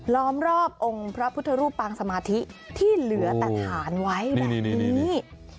ล้อมรอบองค์พระพุทธรูปปางสมาธิที่เหลือแต่ฐานไว้แบบนี้